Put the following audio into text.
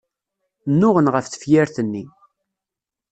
Nnuɣen ɣef tefyirt-nni.